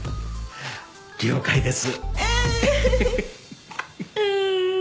了解です。